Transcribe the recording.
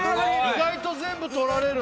意外と全部とられる。